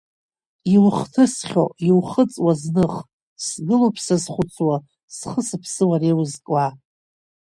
Иухҭысхьоу, иухыҵуа, зных, сгылоуп сазхәыцуа, схы сыԥсы уара иузкуа.